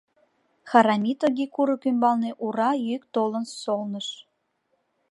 Харамитоги курык ӱмбалне «ура» йӱк толын солныш.